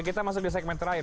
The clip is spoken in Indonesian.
kita masuk di segmen terakhir